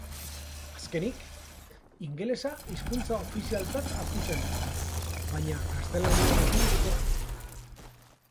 Azkenik, ingelesa hizkuntza ofizialtzat hartu zen, baina gaztelaniarekin batera.